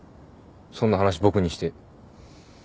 そんな話僕にして。